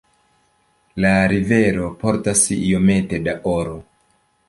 La rivero portas iomete da oro.